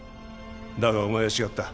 だがお前は違った